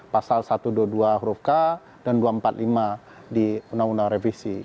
pasal satu ratus dua puluh dua huruf k dan dua ratus empat puluh lima di undang undang revisi